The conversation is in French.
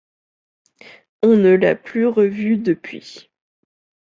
On ne l'a plus revue depuis.